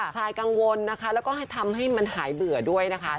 คลายกังวลนะคะแล้วก็ให้ทำให้มันหายเบื่อด้วยนะคะ